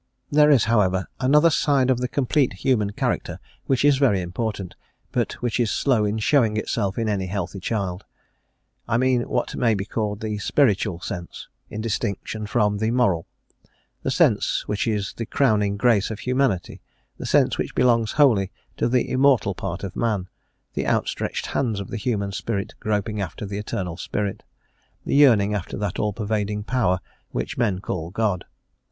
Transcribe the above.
There is, however, another side of the complete human character which is very important, but which is slow in showing itself in any healthy child; I mean what may be called the spiritual sense, in distinction from the moral; the sense which is the crowning grace of humanity, the sense which belongs wholly to the immortal part of man: the outstretched hands of the human spirit groping after the Eternal Spirit; the yearning after that all pervading Power which men call God.